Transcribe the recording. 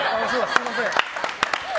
すみません。